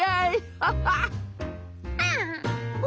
ハハハハ。